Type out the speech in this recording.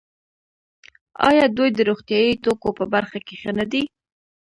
آیا دوی د روغتیايي توکو په برخه کې ښه نه دي؟